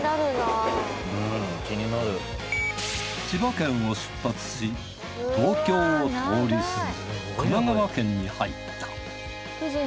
千葉県を出発し東京を通り過ぎ神奈川県に入った。